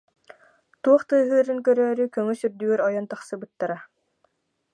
Туох тыаһыырын көрөөрү көҥүс үрдүгэр ойон тахсыбыттара